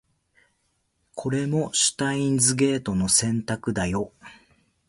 これもシュタインズゲートの選択だよ